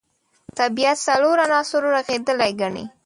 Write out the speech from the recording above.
طبیعت څلورو عناصرو رغېدلی ګڼي.